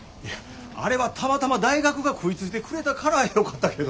あれはたまたま大学が食いついてくれたからよかったけど。